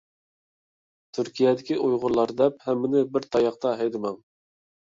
تۈركىيەدىكى ئۇيغۇرلار دەپ، ھەممىنى بىر تاياقتا ھەيدىمەڭ!